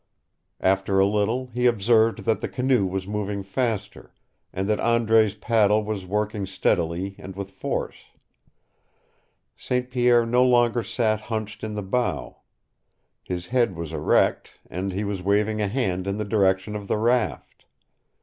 After a little he observed that the canoe was moving faster, and that Andre's paddle was working steadily and with force. St. Pierre no longer sat hunched in the bow. His head was erect, and he was waving a hand in the direction of the raft.